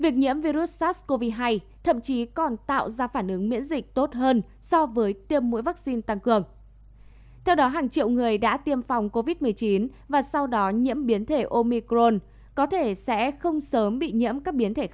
các bạn hãy đăng ký kênh để ủng hộ kênh của chúng mình nhé